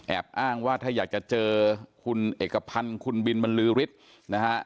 อ้างว่าถ้าอยากจะเจอคุณเอกพันธ์คุณบินบรรลือฤทธิ์นะฮะ